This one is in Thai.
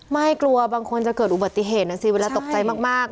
ไม่กลัวบางคนจะเกิดอุบัติเหตุนะสิเวลาตกใจมาก